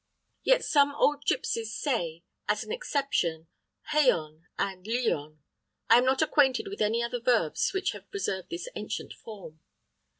Yet, some old gipsies say, as an exception, jayon and lillon. I am not acquainted with any other verbs which have preserved this ancient form.